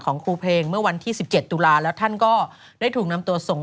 ของครูเพลงเมื่อวันที่๑๗ตุลาแล้วท่านก็ได้ถูกนำตัวส่ง